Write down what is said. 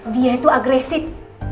dia itu agresif